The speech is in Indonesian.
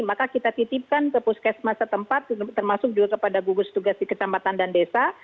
maka kita titipkan ke puskesmas setempat termasuk juga kepada gugus tugas di kecamatan dan desa